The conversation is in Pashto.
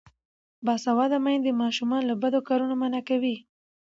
باسواده میندې ماشومان له بدو کارونو منع کوي.